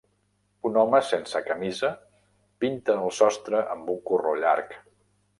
Un home sense camisa pinta el sostre amb un corró llarg.